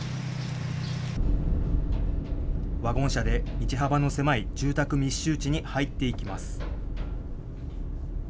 ワゴン車で道幅の狭い住宅密集地に入っていきます。